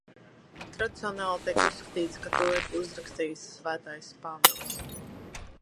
Tradicionāli tiek uzskatīts, ka to ir uzrakstījis Svētais Pāvils.